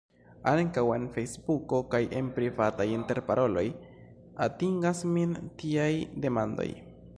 Ankaŭ en Fejsbuko, kaj en privataj interparoloj, atingas min tiaj demandoj.